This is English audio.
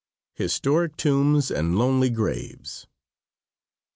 HISTORIC TOMBS AND LONELY GRAVES.